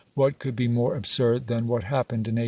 What could be more absurd than what happened in 1858?